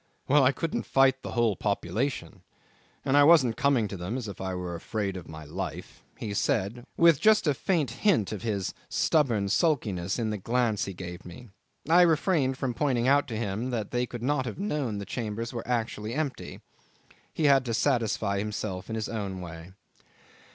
"Well, I couldn't fight the whole population, and I wasn't coming to them as if I were afraid of my life," he said, with just a faint hint of his stubborn sulkiness in the glance he gave me. I refrained from pointing out to him that they could not have known the chambers were actually empty. He had to satisfy himself in his own way.